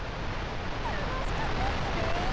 楽しかったっすね！